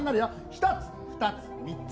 １つ、２つ、３つ！